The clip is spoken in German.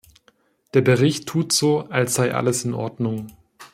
Der Bericht tut so, als sei alles in Ordnung.